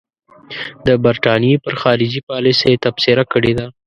د برټانیې پر خارجي پالیسۍ تبصره کړې ده.